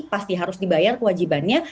pasti harus dibayar kewajibannya